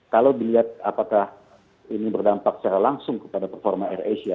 kalau dilihat apakah ini berdampak secara langsung kepada performa air asia